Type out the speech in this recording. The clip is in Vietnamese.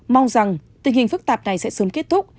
mong rằng tình hình phức tạp này sẽ sớm kết thúc